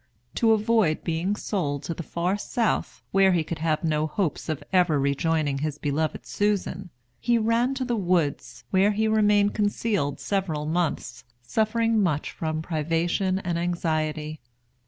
To avoid being sold to the far South, where he could have no hopes of ever rejoining his beloved Susan, he ran to the woods, where he remained concealed several months, suffering much from privation and anxiety.